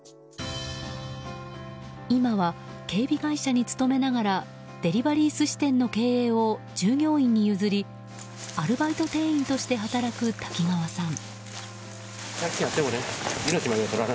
今は警備会社に勤めながらデリバリー寿司店の経営を従業員に譲りアルバイト店員として働く滝川さん。